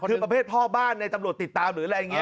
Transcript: คือประเภทพ่อบ้านในตำรวจติดตามหรืออะไรอย่างนี้